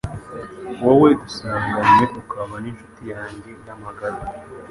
wowe dusanganywe ukaba n’incuti yanjye y’amagara